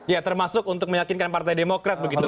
ya termasuk untuk meyakinkan partai demokrat begitu